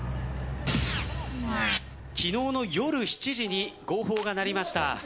昨日の夜７時に号砲が鳴りました。